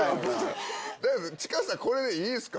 近さこれでいいですか？